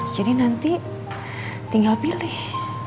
jadi nanti tinggal pilih